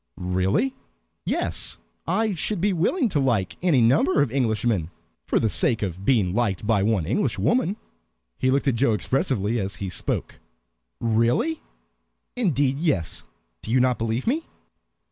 "Really?" "Yes I should be willing to like any number of Englishmen for the sake of being liked by one Englishwoman." He looked at Joe expressively as he spoke. "Really?" "Indeed, yes. Do you not believe me?"